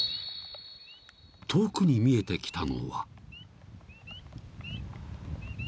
［遠くに見えてきたのは］